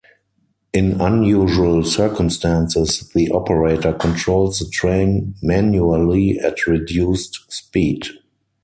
In unusual circumstances the operator controls the train manually at reduced speed.